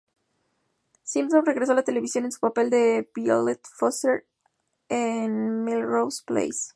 Simpson regresó a la televisión en su papel de Violet Foster en Melrose Place.